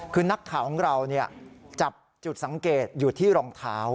คือนักข่าวของเราจับจุดสังเกตอยู่ที่รองเท้า